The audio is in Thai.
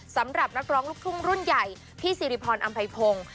สำหรับนักร้องลูกทุ่งรุ่นใหญ่พี่สิริพรอำไพพงศ์